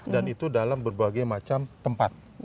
dan itu dalam berbagai macam tempat